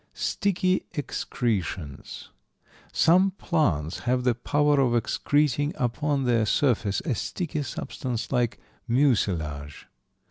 Sticky excretions. Some plants have the power of excreting upon their surface a sticky substance like mucilage.